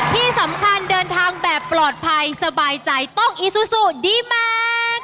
ที่สำคัญเดินทางแบบปลอดภัยสบายใจต้องอีซูซูดีแมน